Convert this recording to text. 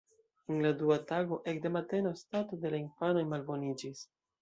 En la dua tago ekde mateno stato de la infanoj malboniĝis.